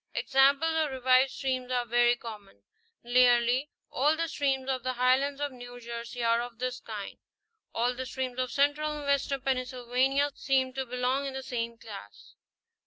Examples of revived streams are very common ; nearly all the streams of the Highlands of New Jersey are of this _kind ; all the streams of central and western Pennsylvania seem to belong in the same class.